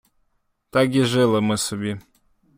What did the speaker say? Так і жили ми собі.